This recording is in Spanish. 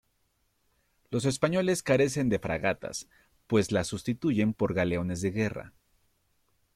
Los españoles carecen de fragatas, pues las sustituyen por galeones de guerra.